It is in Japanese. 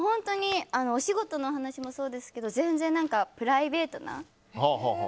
お仕事の話もそうですけどプライベートな。